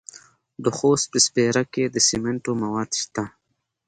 د خوست په سپیره کې د سمنټو مواد شته.